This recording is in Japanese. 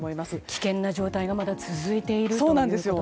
危険な状態がまだ続いているということですね。